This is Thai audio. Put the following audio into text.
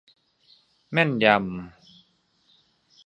แม่นยำ